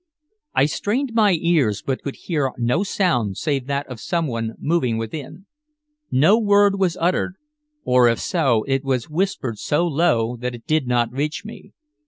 I strained my ears, but could hear no sound save that of someone moving within. No word was uttered, or if so, it was whispered so low that it did not reach me.